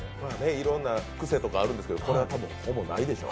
いろんなクセとかあるでしょうけどこれはほぼないでしょう。